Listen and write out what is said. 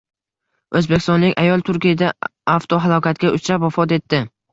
O`zbekistonlik ayol Turkiyada avtohalokatga uchrab, vafot etdi